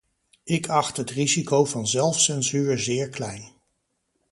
Ik acht het risico van zelfcensuur zeer klein.